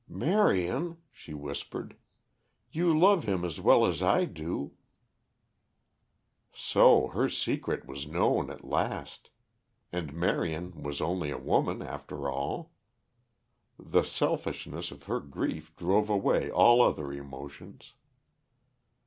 "Marion," she whispered, "you love him as well as I do " So her secret was known at last! And Marion was only a woman, after all. The selfishness of her grief drove away all other emotions.